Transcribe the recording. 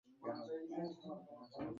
মারান বুঝতে চায় না।